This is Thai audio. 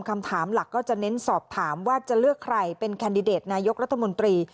คำถามหลักก็จะเน้นสอบถามว่าจะเลือกใครเป็นแคนดิเดตนายกรัฐมนตรี